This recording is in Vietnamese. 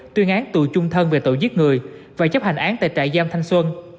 tuyên án tù chung thân về tội giết người và chấp hành án tại trại giam thanh xuân